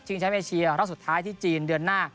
ชิงชาติไทยเชียร์แล้วสุดท้ายที่จีนเดือนหน้า